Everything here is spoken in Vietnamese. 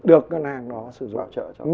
được ngân hàng đó sử dụng